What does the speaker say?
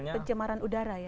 indeks pencemaran udara ya